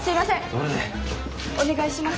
お願いします。